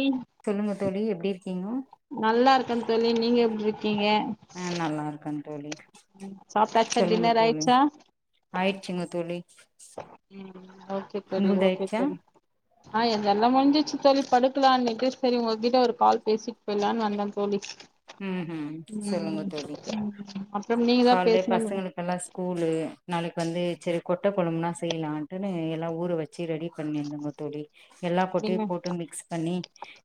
ம் சொல்லுங்க தோழி எப்படி இ ருக்கிங்க கன் தோழி நீங்க எப் அஹ் நல்லா இருக்கன் தோழி சாப்ட்டாச்சா சொல்லுங்க டின்னர் தோழி ஆயிடுச்சா ஆயிடுச்சுங்க தோழி ம் ஓகே தோழி உங்கள்து ஓகே ஆயிடுச்சா தோழி ஆஹ் எல்லாம் முடிஞ்சிருச்சு தோழி படுக்கலாம்னுட்டு சரி உங்ககிட்ட ஒரு கால் பேசிட்டு போயலான்னு வந்தேன் தோழி ஹம் ஹம் சொல்லுங்க ம் தோழி அப்புறம் நீங்க தா காலல பேசணும் பசங்கக்கெல்லாம் ஸ்கூல்லு நாளைக்கு வந்து சரி கொட்டை கொழம்புனா செய்யலான்ட்டுன்னு எல்லாம் ஊரு வச்ச ச்சு ரெடி பண்ணிருந்தங்க தோழி எல்லாம் கொட்டை நீங்க போட்டு மிக்ஸ் பண்ணி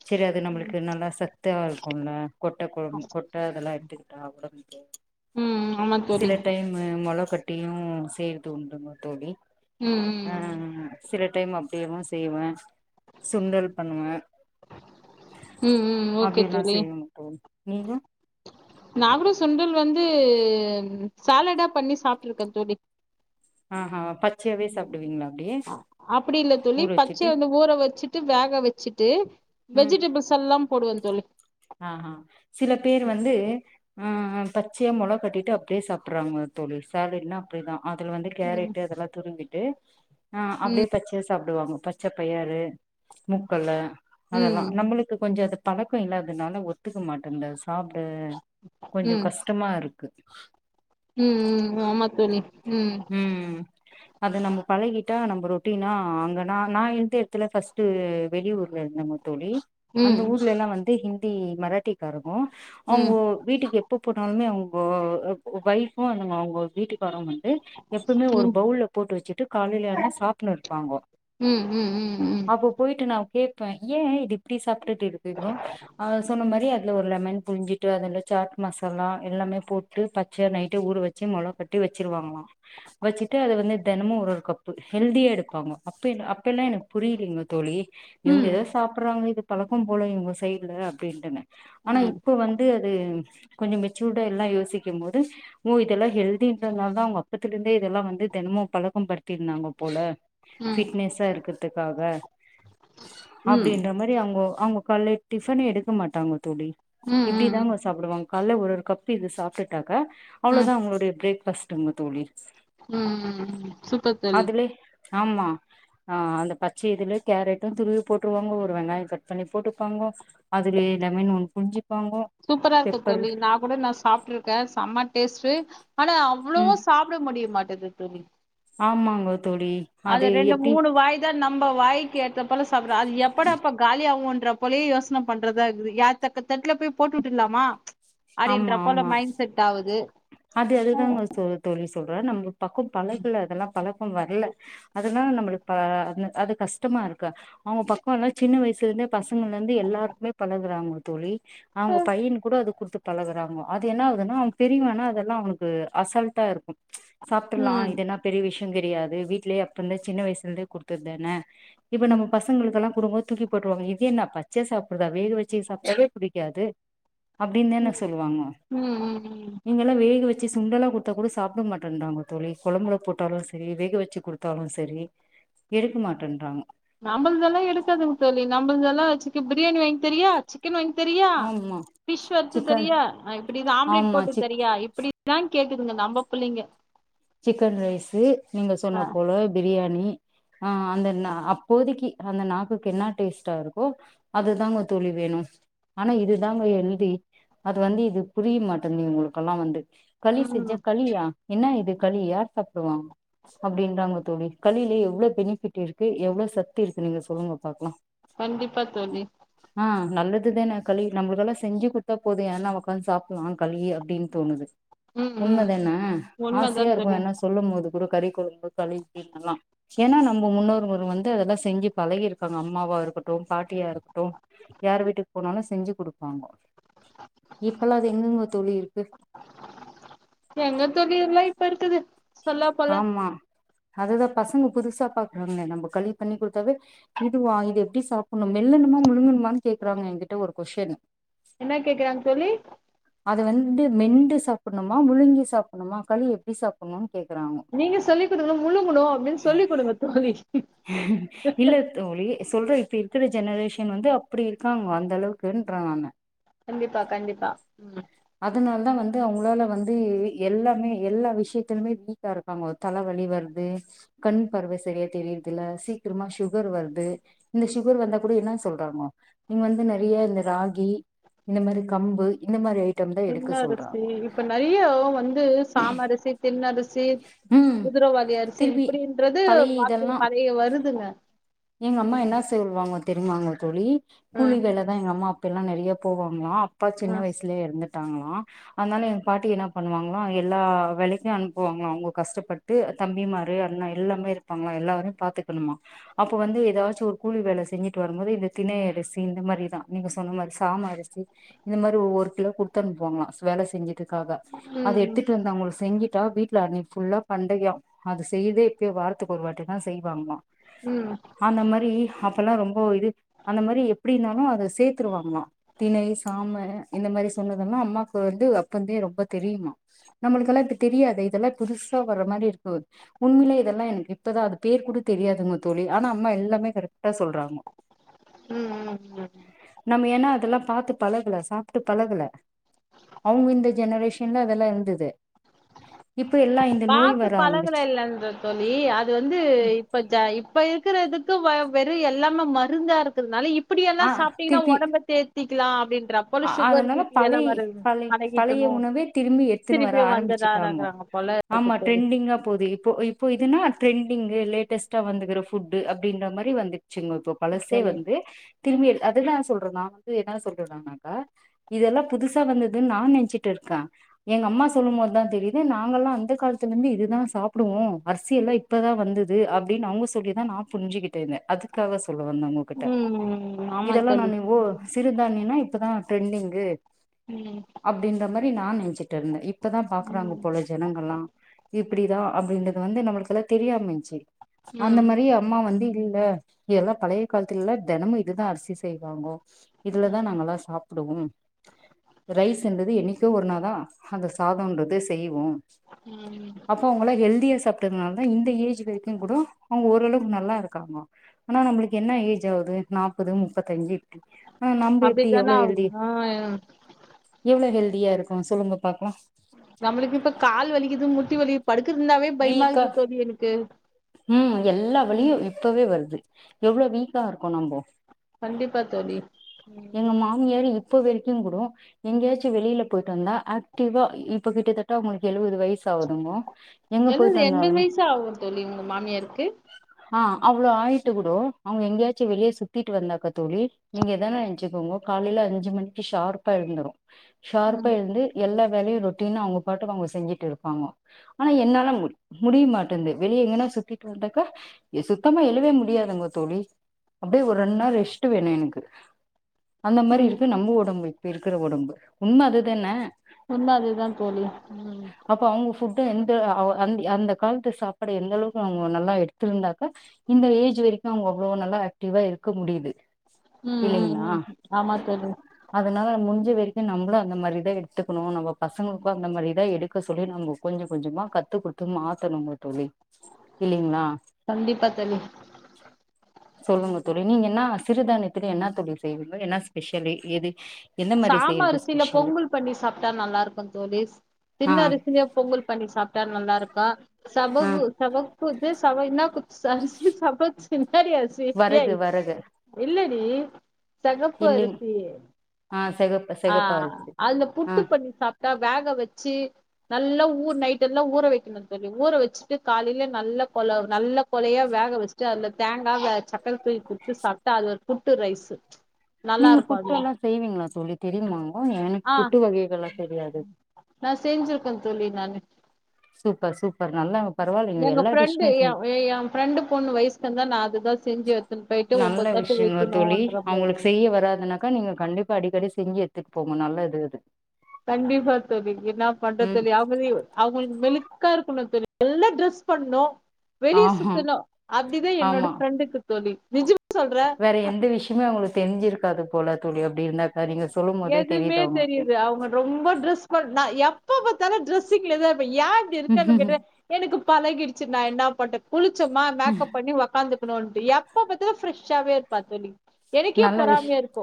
சரி அது ம் நம்மளுக்கு நல்லா சத்தா இருக்கும்ல கொட்ட அதெல்லாம் எடுத்துக்கிட்டா உடம்பு ம் ஆமா தோழி சில டைம் மொளக்கட்டியு சேர்த்து உண்டுங்க தோழி ம் ஆ அ ம் அ அ சில டைம் அப்டியெல்லா செய்வ சுண்டல் பண்ணுவ ம் ம் ஓகே அப்டியெல்லா தோழி செய்ய மட்டு நீங்க நா குட சுண்டல் வந்து சாலடா பண்ணி சாப்ட்ருக்க தோழி ஆ ஹா அப்பிடி இல்ல தோழி ஊற வச்சுட்டு பச்சையாந்த ஊற வச்சுட்டு வேக வச்சுட்டு வெஜிடபிள்ஸ் எல்லாம் போடுவன் தோழி ஆ ஹா சில பேரு வந்து ம் ம் பச்சயா மொள கட்டிட்டு அப்டியே சாப்புட்றாங்க தோழி சாலட்னா அப்டிதா அதுல வந்து ம் கேரெட்டு அதெல்லா துருவி ட்டு ஆ அப்டியே பச்சையா சாப்டுவாங்கொ பச்ச பயாறு மூக்கல்ல அதெல்லா ம் நம்பளுக்கு கொஞ்ச அது பழக்கொ இல்ல தனால ஒத்துக்க மாட்டேன்தது சாப் ட கொஞ்சொ ம் கஷ்டமா இருக்கு ம் ம் ஆமா தோழி ம் உம் அத நம்ம பழகிட்டா நம்ப ரொட்டீனா அங்கனா நா இர்ந்த எட்த்துல ஃபர்ஸ்ட்டு வெளியூர்ல இருந்தமோது தோழி அந்த ம் ஊர்லேல்லா வந்து ஹிந் தி மராட்டிகாரகூ ம் அவுங்கோ வீட்டுக்கெப் ப்ப போனாலுமே அவுங்க ஒய்ஃபு அங் அவுங்க வீட்டுக்காரவ்ங்கன் து எப்பமே ஒரு ம் பவுல்ல போட்டு வச்சுட்டு காலைலயானா சாப்னர் பாங்கோ ம் ம் ம் அப்ப போயிட்டு நா கே ப ஏ இது இப்டி சாப்ட்டுட்டு இருக்கீங்கோ அ சொன்ன மாரி அதுல ஒரு லெமன் புழுஞ்சிட்டு அதுல சாட் மசாலா எல்லாமே போட்டு பச்ச நைட்டு ஊற வச்சு மொள கட்டி வச் ச்சுருவாங்ளா வச்சுட்டு அத வந்து தெனமு ஒரு ஒரு கப்பு ஹெல்தியா எடுப்பாங்கொ அப்ப என்ன அப்ப எல்லா எனக்கு புரியலீங்க தோழி ம் இவுங்க ம் எதோ சாப்புர்றாங்க இது பழக்கம் போல இவுங்க சைடுல அப்டின்ட்டுனே ஆனா ம் இப்போ வந்து அது கொஞ்சம் மெச்சூர்டா எல்லா யோசிக்கும் போது ஓ இதெல்லா ஹெல்தின் தனால் தா அவுங்க அப்பத்துலெந்தே இதெல்லா வந்து தெனமு பழக்கம் படுத்திருந்தாங்க போல ம் பிட்னஸ்ஸா இருக்குது அதுக்காக ம் அப்படின்ற மாதிரி அவங்க அவங்க கல டிஃபன் எடுக்க மாட்டாங்க தழ ம் [unintelligible] ம் இப்படிதான் உங்க ம் சாப்பிடுவாங்க கால ஒரு ஒரு கப்பு இது சாப்பிட்டுட்டா [inaudible] அவ்வளவுதான் உங்களுடைய பிரேக் கஷ்டங்க தோழி உஹம் உம் உம் சுப்பத்தலி அதுலே ஆமா ஆஹ் அந்த பச்சை இதுல கேரட்டும் துருவி போட்டுருவாங்க ஒரு வெங்காயம் கட் பண்ணி போட்டுப்பாங்க அதுலய எல்லாமீன் ஒன் புரிஞ்சு [inaudible] சூப்பரா இருக்கு தோழி நான் கூட நான் சாப்பிட்டு இருக்கேன் செம்ம டேஸ்ட்டு ஆனா அவ்வளவோ ம் சாப்பிட முடியமாட்டேன்து கது தல்ல [inaudible] ஆமாங்க தோழி அது ரெண்டு எப்டி மூணு வாய் தான் நம்ம வாய்க்கு ஏற்ற போல சாப்பிடறோம் அது எப்படாப்பா அப்ப காலிய ஆகும் போலயே யோசனை பண்றதா இருக்குது யா தக்க தட்டுல போய் போட்டு விட்டுலாமா ஆமா அப்படின்ற போல ஆமா மைண்ட் செட் ஆகுது அது அதுதாங்க தோழி சொல்றா நம்ம பக்கம் பழக அதெல்லாம் பழ வரல அதல்லாம் நம்மளுக்குப்ப அது கஷ்டமா இருக்கு அவங்க பக்கம் எல்லாம் சின்ன வயசுலே இருந்தே பசங்கள்ல இருந்து எல்லாருக்குமே பழகுறாங்க தோழி அவங்க பையன் கூட அது கொடுத்து பழகுறாங்க அது என்ன ஆகுதுன்னா தெரியவேனா அதெல்லா அவனுக்கு அசல்ட்டாக இருக்கு சாப்பிட்ருல்லா ம் இது என்ன பெரிய விஷ் யங் கிடையாது வீட்லயே அப்ப இருந்தே சின்ன வயசுலந்தே குடுத்ததுதானே இப்ப நம்மசங்களுக்கெல்லா குடுங்கபோ தூக்கி போட்டுருவாங்க இது என்ன பச்சையா சாப்பிடுறதா வேக வச்சே சாப்ட்டாவே பிடிக்காது அப்படின் தான ம் சொல்லுவாங்க ம் ம் ம் நீங்கல்லா வேக வ ச்சு சுண்டெல்லா குடுத்தா கூட சாப்பிட மாட்டேன்ன்றாங்க தோழி கொழம்புல போட்டாலு செரி வேக வச்சு குடுத்தாலு செரி எடுக்க மாட்டேன்றாங்க நம்மளுதெல்லா எடுக்காதுங் தோழி நம்மள்ங்கெல்லா சிக்கன் பிரியாணி வாங்கி தெரியா சிக்கன் வாங்கி தெரியா ஆமா பிஷ் வறுத்து சிக்கன் தெரியா இப்படி ஆம்லெட் ஆமா போட்டு சிக் தெரியா இப்படிதான் கேக்குதுங்க நம்ம பிள்ளைங்க சிக்கன் ரைஸு நீங்க சொன்ன போல பிரியாணி ஆஹ் அந்த ந அப்போதைக்கு அந்த நாக்குக்கு என்ன டேஸ்ட்டா இருக்கோ அதுதாங்க தோழி வேணு ஆனா இதுதாங்க எழுதி அது வந்து இது புரிய மாட்டங்கது இவங்களுக்கெல்லா வந்து களி செஞ்சா ம் களியா என்னா இது களி யார் சாப்பிடுவா அப்பிடின்றாங்க தோழி களியில எவ்ளோ பெனிஃபிட் இருக்கு எவ்வளோ சத்து இருக்கு நீங்க சொல்லுங்க பாக்கலா கண்டிப்பா தோழி ஆஹ் நல்லதுதானே களி நம்மளுக்கெல்லா செஞ்சு குடுத்தா போது யாருனா உக்காந்து சாப்பிட்லா களிய அப்படின் தோணுது ம் உண்ம ம் தான ஆஸ் உண்மதா இதுக்கு தோழி வேணா சொல்லு போது இது கூட கறி கொழம்பு களி இதல்லா ஏனா நம்ம முன்னோருமோரு வந்து அதெல்லா செஞ்சு பழகிருக்காங்க அம்மாவா இருக்கட்டு பாட்டியா இருக்கட்டு யாரு வீட்டுக்கு போனாலு செஞ்சு குடுப்பாங்கோ இப்ப எல்லா அது எங்கங் தோழி எங்கத் தோழி எல்லா இப்பருக்குது சொல்லப் போல ஆமா அதுதா பசங்கப் புதுசா பாக்குறாங்லே நம்ம களி பண்ணி குடுத்தாவே இதுவா இது எப்பிடி சாப்பிட்ணு மெல்லன்னுமா முழுங்கனுமா னு கேக்குறாங்க எங்கிட்ட ஒரு கொஸ்டினு என்ன கேக்குறாங்க தோழி அத வந்து மெண்டு சாப்பிட்ணுமா முழுங்கி சாப்பிட்ணுமா களி எப்படி சாப்பிட்ணுன் கேக் நீங்க சொல்லி் குடுங்க முழுங்குணு அப்படின் சொல்லி் குடுங்க தோழி இல்ல தோழி சொல்ற இப்ப இருக்கற ஜெனரேஷன் வந்து அப்பிடி இருக்காங்க அந்த அளவுக்குன்றே நானு கண்டிப்பா கண்டிப்பா உம் து அவங்களால வந்து எல்லாமே எல்லா விஷயத்திலுமே வீக் கா இருக்காங்க தலவலி வர்து கண் பார்வ செரியா தெரியிறதில்ல சீக்கிரமா சுகர் வர்து இந்த சுகர் வந்தா கூட என்ன சொல்றாங்கோ நீங்க வந்து நெறைய இந்த ராகி இந்த மாரி கம்பு இந்த மாரி ஐட் தின்னரிசி இப்ப நெறைய ஓ வந்து சாமரிசி தின்னரிசி ரிசி ம் குதுரவாளி அரிசி திருப்பி இப்பிடின்றது பழைய இதெல்லா வாழ்க்கப் பழைய வருதுங்க எங்க அம்மா ம் என்ன செய்வாங்கக் தெரியுமாங்க தோழி கூலி ம் வேல தான் எங்க அம்மா அப் இப்ப எல்லாம் நெறைய போவாங்களா அப்பா சின்ன ம் வயசுலேயே எறந்துட் ட்டாங்களாம் அதனால எங் பாட்டி என்ன பண்ணுவாங்களா எல்லா வேலைக்கும் அனுப்புவாங்களா அவங்க கஷ்டப்பட்டு தம்பி மாரு அண்ணா எல்லாமே இருப்பாங்களா எல்லாரயும் பாத்துக்கணுமா அப்போ வந்து ஏதாச்சும் ஒரு கூலி வேல செஞ்சுட்டு வரும்போது இந்த தினை அரிசி இந்த மாரிதான் நீங்க சொன்ன மாரி சாம அரிசி இந்த மாரி ஒவ்வொரு கிலோ குடுத்தனுப்புவாங்களா வேல செஞ்சுட்டு க்காக அத ம் எடுத்துட்டு வந்து அவங்களுக் செஞ்கி தா வீட்ல அன்னைக்கு ஃபுல்லா பண்டயம் அது செய்தே எப்பயோ வாரத்துக்கு ஒரு வாடி தா செய்வாங்ளாம் ம் ஆந்த மாரி அப்பல்லா ரொம்போ இது அந்த மாரி எப்டி இருந்தாலு அது சேர்த்துருவாங்கலா தினை சாமு இந்த மாரி சொன்னதெல்லா அம்மாக்கு வந்து அப்பந்தே ரொம்ப தெரியுமா நம்மளுக்கெல்லா இப்ப தெரியாதே இதல்லா புதுசா வர்ற மாரி இருக்கு உண்மைலே இதெல்லா எனக்கு ப்பதா அது பேர் கூட தெரியாது உங் தொழி ஆனா அம்மா எல்லாமே கரெக்டா சொல்றாங்க உம் உம் உம் அதல்லா பாத்து பலகல சாப்ட்டு பலகல அவுங்க இந்த ஜெனரேஷன்ல அதல்லா இருந்தது இப்ப எல்லா இந்த நோய் பாத்து வர பலகுல ஆரம்பிச்சு இல்லன்ற தோழி அது வந்து இப்ப ஜ இப்ப இருக்கறதுக்கு வ வெறும் எல்லாம்ம மருந்தா இருக்கறதுனால இப் அப்புடியெல்லா ஆ சாப்ட்டிங்கன்னா திருப்பி ஒடம்ப தேத் திக்கலா அப்டின் அதனால பலை பலை பலைய பழகிக்கணு உணவே திரும்பி எடுத்துன்னு வர திருப்பியு ஆரம்பிச்சுட்டாங்கோ வந்துட்டாராக்குறாங்க போல இருக்கு ஆமா தோழி ட்ரெண்டிங்கா போது இப்போ இப்போ இதுன்னா ட்ரெண்டிங்கு லேட்டஸ்டா வந்துகற ஃபுட்டு அப்டின்ற மாரி வந்துட்டு சிங்க இப்போ பலசே தோழி வந்து திரும்பி அதுதா சொல்ற நா வந்து என்ன சொல்றது நா இதெல்லா புதுசா வந்ததுன்னு நா நென்சிட்டு இருக்க எங்க அம்மா சொல்லும் போதுதா தெரிது நாங்க எல்லா அந்த காலத்துல இருந்து இதுதா சாப்டுவோ அரிசியெல்லா இப்பதா வந்துது அப்டின் அவுங்க சொல்லிதா நா புரிஞ்சிகிட்டேருந்த அதுக்காவ சொல்ல வந்த ஒங்ககிட்ட ம் ஆமா இதல்லா நா தோழி ஓ சிறுதானியனா இப் டெரண்டிங்கு ம் அப்டின்ற மாரி நா நன்சிட்டுருந்த இப் இப்பதா பாக்கறாங்க ம் போல ஜனங்கள்லா இப்டி இதா அப்டின்றது வந்து நம்மளுக்கெல்லா தெரியாமன்ச்சு அந்த ம் மாரி அம்மா வந்து இ இல்ல இதல்லா பலைய காலத்துல தெனமும் இதுதா அரிசி செய்வாங்கோ இதுல தான் ம் நாங்கல சா ப்டுவோம் ரைஸ்ன்றது என்னைக்கோ ஒரு நாள் தா அந்த சாதம்ன்றதே செய்வோ ம் அப்போ அவங்களா ஹெல்தியா சாப்பிட்டதுனால இந்த ஏஜ் வரைக்கு கூடம் அவுங்க ஓரளவுக்கு நல்லாருக்காங்கோ ஆனா நம்மளுக்கு என்ன ஏஜ் ஆவுது நாப்பது முப்பத்தஞ்சு ஆஹ் நம்ப எப் ஜன ஆவுது ஆஹ் எவ்ளோ ஹெல்தியா இருக்கு சொல்லுங்க பாக்கலாம் நம்மளுக்கு இப்ப கால் வலிக்குது முட்டி வலிக் படுக்குருதுனாவே பயமாக்கிது தோழி எனக்கு உம் எல்லா வழியு ம் இப்பவே வரு எவ்ளோ வீக்கா இருக்கோ நாம்ப கண்டிப்பா தோழி மாமியார் இப்ப வரைக்குங் கூட எங்கியாச்சும் வெளில போயிட்டு வந்தா ஆக்டிவா இப்ப கிட்டத்தட்ட உங்களுக்கு எழுவது வயசாகுதுங்கோ எங்க போயி எழுவது எண்பது தங்குனாலுமே வயசு ஆகு தோழி உங்க மாமியாருக்கு ஆ அவ்வளோ ஆயிட்டு கூட அவங்க எங்கயாச்சும் வெளியே சுத்திட்டு வந்தாக்க தோழி நீங்க எதானே இவுங்க காலைல அஞ்சு மணிக்கு ஷார்பா எழுந்துரு ஷார்பா ம் எழுந்து எல்லா வேலையு ரொட்டினா அவங்க பாட்டுக்கு அவங்க செஞ்சுட்டு இருப்பாங்க ஆனா என்னால முடி முடிய மாட்டேங்குது வெளி வெளிய எங்கனா சுத்திட்டு வந்தாக்கா எ சுத்தமா எழுவே முடியாதங்க தோழி அப்படியே ஒரு ரெண்டு நாள் ரெஸ்ட் வேணு எனக்கு அந்த மாரி ம் இருக்கு நம்ம ஒடம்பு ப்இருக்கிற ஒடம்பு உண்ம அதுதானே உன்ம அதுதான் தோழி உம் தா எந்த அ ஆ அந்த காலத்து சாப் பாடு எந்த அளவுக்கு அவங்க நல்லா எடுத்துருந்தாக்கா இந்த ஏஜ் வரைக்கும் அவங்க அவ்வளோ நல்லா ஆக்டிவா இருக்க முடியுது உம் உம் இல்லைங்களா உம் ஆமா தோழி முடிஞ்சம் வரைக்கும் நம்மளும் அந்த மாதிரிதான் எடுத்துக்கணும் நம்ம பசங்கக்கும் அந்த மாதிரி தான் எடுக்க சொல்லி நம்ம கொஞ்சம் கொஞ்சமாக கத்து கொடுத்து மாற்றணும் ஒலி இல்லைங்களா கண்டிப்பா தோழி ம் சொல்லுங்க தோழி நீங்க என்னாவா சிறுதானியத்தில என்ன தோழி செய்விங்கள் என்ன ஸ்பெஷலு எது எந்த மாரி சாம செய்யறது அரிசில ஸ்பெஷலு பொங்கல் பண்ணி சாப்ட்டா நல்லாருக்கு தோழி ஆ தின்ன அரிசிலயு பொங்கல் பண்ணி சாப்ட்டா நல்லா இருக் கா ஆ சபகூ சபகூதிஸ் சவா என்னா குத் சரிசி சமச்சு என்னாடி அரிசி வரகு ஏய் வரகு இல்ல ரிசி செகப்பு இல்லைங் அரிசி ஆ செகப்பு ஆ செகப்பரிசி அதுல ஆ புட்டு பண்ணி சாப்ட்டா வேக வெச்சு நல்லா ஊறு நைட்டெல்லா ஊற வெக்கணு தோழி ஊற வெச்சுட்டு காலைல நல்லா கொல நல்ல கொலையா வேக வெச்சுட்டு அதுல தேங்கா வே சக்கர குட்டு சாப்ட்டா அது ஒரு புட்டு ரைஸு நல்லா நீங்க இருக்கு புட்டு அது எல்லா செய்விங்ளா தோழி தெரியுமாங்கோ எனக்கு ஆ புட்டு வகைகள்லா தெரியாது நாலு சூப்பர் சூப்பர் நல்லா பரவாயில்லைங்க எங்க எல்லா ஃப்ரெண்டு டிஷ்ஷுமே ஏ செஞ் ஏ ஃப்ரெண்டு பொண்ணு வைஸ் வந்தா நா அது நல்ல விஷயங்க தோழி வைக்கணும்ன்றே அவங்களுக்கு செய்ய வராதுனாக்கா நீங்க கண்டிப்பா அடிக்கடி செஞ்சு எடுத்துட் போங்க நல்ல இது அது கண்டிப்பா தோழி நா பண்ற ம் தோழி அவுங்களையு அவுங்களுக் மெழுக்கா இருக்குனு தோழி நல்லா ட்ரெஸ் பண்ணோ வெளிய ஆமா சுத்தணு அப்டிதா என்னோட ஃபிரெண்டுக்கு தோழி விஜி வேறெந்த விஷயமே அவங்ளுக்கு தெரிஞ்சிருக்காது போல தோழி அப்டி இருந்தாக்கா நீங்க சொல்லும் போதே எதுமே அவங்களுக்கு தெரியுது அவங்க ரொம்ப ட்ரெஸ் பண் நா எப் ப பாத்தாலு டிரெஸ்ஸிங்லதா இருப் ப ஏ இப்டி இருக்கன்னு கேட்ட எனக்கு பழகிடுச்சி நா என்னா பண்றது குளிச்சமா மேக்கப் பண்ணி ஒக்காந்துகுணுன்ட்டு எப்ப பாத்தாலு ஃபிரஸ் ஷாவே இருப்பா தோழி எனக்கே பொறாமையா இருக்கு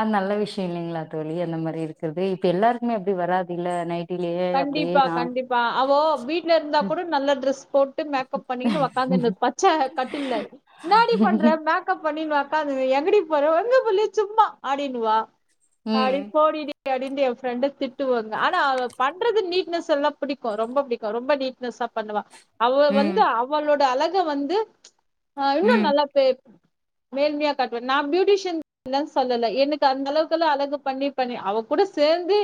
ஆம் நல்ல விஷ்ய இல்லைங்களா தோழி அந்த மாரி இருக்கறது இப்ப எல்லாருக்குமே அப்டி வராதுல்ல நைட் கண்டிப்பா கண்டிப்பா அவோ வீட்ல இருந்தா கூட நல்லா ட்ரெஸ் போட்டு மேக்கப் பண்ணின்னு ஒக்காந்துனிப்பா சேர் கட்டுல என்னாடி பண்ற மேக்கப் பண்ணினு ஒ ன்னாது எங்கடி போற எங்கு போலயே சும்மா அப்டின்னுவா அடி ம் போடிடி அப்டின்ட்டு ஏ ஃபிரெண்டு திட்டுவாங்க ஆனா அவ பண்றது நீட்னஸ் எல்லா புடிக்கு ரொம்ப புடிக்கு ரொம்ப நீட்னஸா பண்ணுவா அவ வந்து ம் அவளோட அழக து வந்து ம்ச் ஆஹ் இன்னோ ம் நல்லா பே மேல்மையா காட்டுவே நா பியூட்டிஷியன் இல்ல சொல்லல எனக்கு அந்த அளவுக்கெல்லா அழகு பண்ணி பண்ணி அவ கூட சேந்து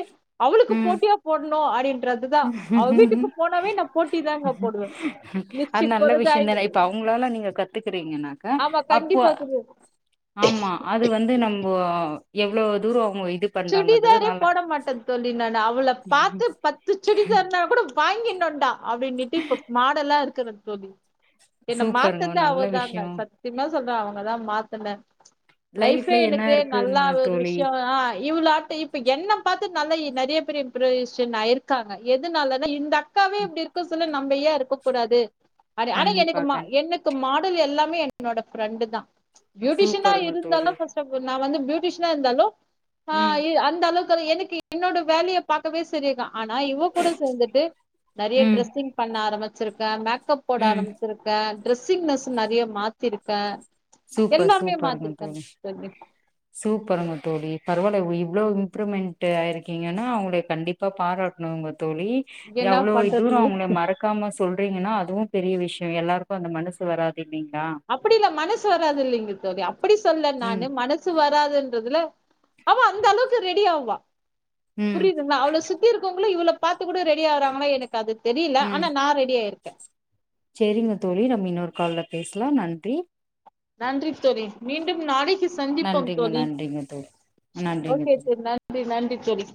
அவுளுக்கு ம் போட்டியா நோ அடின் போட்டி தாங்க போடுவே அது லிப்ஸ்டிக் நல்ல போறது ஐ விஷ்யந்தானே இப்ப அவங்ளால நீங்க கத்துக்குறிங்கனாக்கா ஆமா அப்போ கண்டிப்பா ஆம்மா அது வந்து நம்போ எவ்ளோ தூர போய் சுடிதாரே போட மாட்ட தோழி நானு அவள பாத்து பத்து சு சுடிதார்னா கூட வாய்ங் இனுண்டா அப்டின்னிட்டு இப்ப மாடலாருக்கு க்கற தோழி என்ன சூப்பருங்க மாத்தது நல்ல அவதாங்க விஷயோ சத்திமாஸ் சொல்ற அவங்கதா மாத்தன லைஃபே லைஃப்ல என்ன எனக்கே நல்லா இருக்குங்க ஒரு தோழி விஷ்ய ஆஹ் இவளாட்ட இப்ப என்ன பாத்து நல்ல நெறய பேர் இம்ரஷன் ஆய்ருக்காங்க எதனாலனா இந்தக் அக்காவே ம் இப்டி இருக்க சொல்லு நம்பயே இருக்கக் கூடாது அட ஆனா கண்டிப்பா எனக்கு மா கண்டிப்பா எனக்கு மாட் உடல் எல்லாமே என்னோட ஃப்ரெண்டுதா பியூட்டிஷனா சூப்பருங்க தோழி இருந்தாலும் பர்ஸ்டுப் நா வந்து பியூட்டிஷனா இருந்தாலு ஆஹ் ம் இல் அந்த அளவுக் க்கு எனக்கு என்னோட வேலய பாக்கவே சரியாக்கா ஆனா இவ கூட சேந்துட்டு நெறய ம் ட்ரெஸ்ஸிங் பண்ண ஆரம்பிச் வச்சிருக்க மேக் க்கப் போட ம் ஆரம்மிச்சிருக்க ட்ரெஸ்ஸிங்னெஸ் நிறய மாத்திருக்க சூப்பர் சூப்பர்ங்க தோழி சூப்பர்ங்க தோழி பரவால இவ்ளோ இம்ரூமெண்ட்டு ஆயிருக்கிங்கனா அவங்ள கண்டிப்பா பாராட்ணுங்க தோழி என்ன எவ்ளோ பண்றது தூரம் அவங்ள மறக்காம சொல் அப்டிங்கனா அதுவு பெரிய விஷ்யம் எல்லாருக்கும் அந்த மனசு வராது இல்லைங்களா அப்டி இல்ல மனசு வந் வராதில்லங்க [unintelligible] அப்டி சொல்ல ம் நானு மனசு வராதுன் றதுல அவ அந்த அளவுக்கு ரெடியாவ்வா ம் புரிதுங்லா அவ்ள சுத்தி இருக்கவங்கலு இவ்ள பாத்து கூட ரெடி ஆகுறாங்களா எனக்கு அது தெரியல ஆனா நா ரெடியாயிரேன் [inaudible] செரிங்க தோழி நம்ம இன்னொரு கால்ல பேசலாம் நன்றி நன்றி தோழி மீண்டும் நாளைக்கு சந்திப்போம் நன்றிங்க தோழி நன்றிங்க தோழி ஓகே தோழி நன்றி நன் சரி